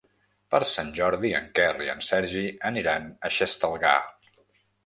Per Sant Jordi en Quer i en Sergi aniran a Xestalgar.